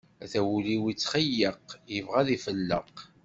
Ata wul-iw itxeyyeq, ibɣa ad ifelleq.